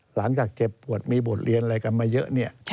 หลังจากเจ็บปวดมีบทเรียนอะไรกันมาเยอะเนี่ย